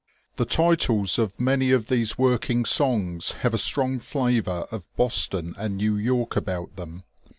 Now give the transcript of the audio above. The titles of many of these work ing songs have a strong flavour of Boston and New York about them.